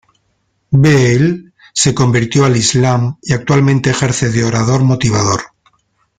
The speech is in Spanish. Beale se convirtió al Islam y actualmente ejerce de orador motivador.